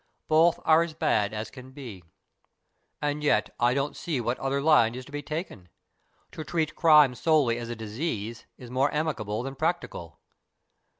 Both are as bad as can be. And yet I don't see what other BURDON'S TOMB 101 line is to be taken. To treat crime solely as dis ease is more amiable than practical."